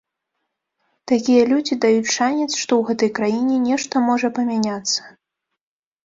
Такія людзі даюць шанец, што ў гэтай краіне нешта можа памяняцца.